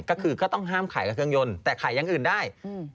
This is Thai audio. ก็คือก็ต้องห้ามขายกับเครื่องยนต์แต่ขายอย่างอื่นได้